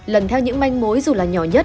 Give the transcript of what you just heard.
lần theo những manh mối dù là nhỏ nhất